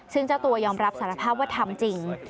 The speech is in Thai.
ซึ่งเจ้าตัวยอมรับสารภาพว่าทำจริง